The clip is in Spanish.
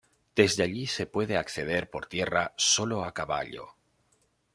Desde allí se puede acceder por tierra sólo a caballo.